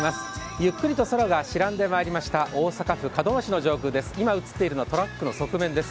ゆっくりと空が白んでまいりました、大阪府門真市の上空です